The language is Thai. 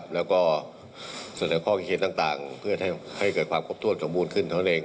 แล้วก็สนับข้อเคลียดต่างเพื่อให้เกิดความปกตัวสมบูรณ์ขึ้นเขาเอง